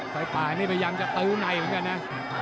ไฟป่านี่พยายามจะเปิ้ลในกันนะ